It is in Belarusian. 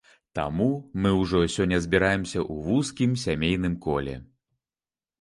Таму мы ўжо сёння збіраемся ў вузкім сямейным коле.